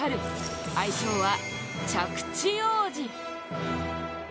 愛称は着地王子。